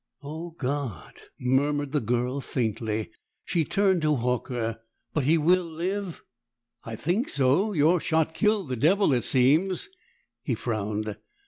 "Oh God!" murmured the girl faintly. She turned to Horker. "But he will live?" "I think so. Your shot killed the devil, it seems." He frowned.